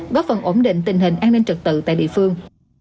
góp phần ổn định tình hình an ninh trật tự tại địa phương